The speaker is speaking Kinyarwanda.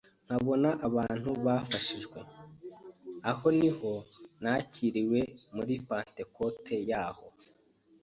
nkabona abantu bafashijwe, aho niho nakiriwe muri Pentecote y’aho,